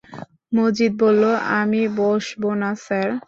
মজিদ বলল, আমি বসব না স্যার।